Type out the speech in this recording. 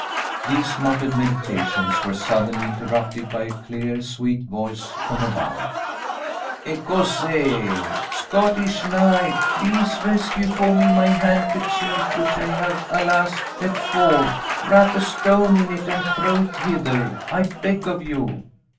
These muttered meditations were suddenly interrupted by a clear sweet voice from above. "Écossais! Scottish knight! Please rescue for me my handkerchief, which I have, alas, let fall. Wrap a stone in it and throw it hither, I beg of you."